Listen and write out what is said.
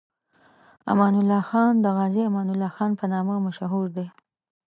امان الله خان د غازي امان الله خان په نامه مشهور دی.